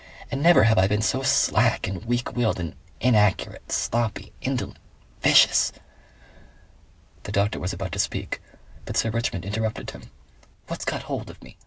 And never have I been so slack and weak willed and inaccurate.... Sloppy.... Indolent.... VICIOUS!..." The doctor was about to speak, but Sir Richmond interrupted him. "What's got hold of me?